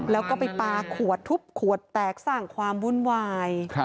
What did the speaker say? แล้วก็ไปปลาขวดทุบขวดแตกสร้างความวุ่นวาย